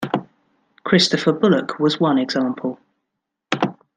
Christopher Bullock was one example.